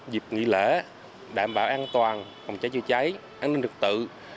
dịp nghỉ lễ đảm bảo an toàn phòng cháy chữa cháy an ninh trật tự